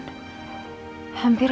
sampe sama buraya